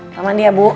selamat mandi ya bu